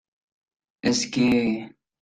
es que...